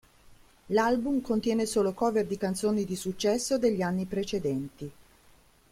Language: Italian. L'album contiene solo cover di canzoni di successo degli anni precedenti.